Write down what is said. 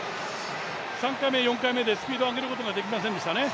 ３回目４回目でスピードを上げることができませんでしたね。